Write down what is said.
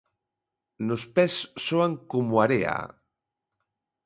Nos pés soan como area...